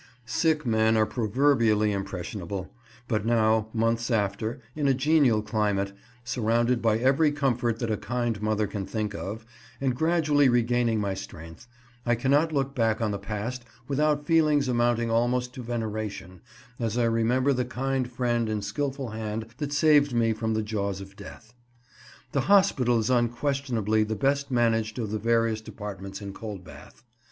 Sick men are proverbially impressionable; but now, months after, in a genial climate, surrounded by every comfort that a kind mother can think of, and gradually regaining my strength, I cannot look back on the past without feelings amounting almost to veneration, as I remember the kind friend and skilful hand that saved me from the jaws of death. The hospital is unquestionably the best managed of the various departments in Coldbath.